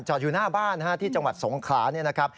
จอดอยู่หน้าบ้านที่จังหวัดสงขา